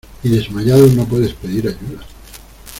y desmayado no puedes pedir ayuda.